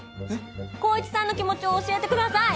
孝一さんの気持ちを教えてください。